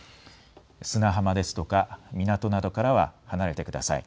砂浜ですとか港などからは離れてください。